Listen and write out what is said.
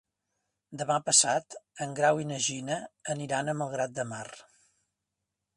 Demà passat en Grau i na Gina aniran a Malgrat de Mar.